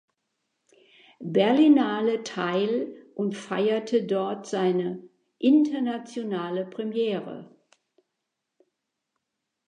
Berlinale teil und feierte dort seine internationale Premiere.